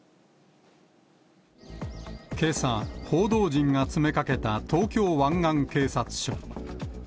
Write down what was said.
けさ、報道陣が詰めかけた東京湾岸警察署。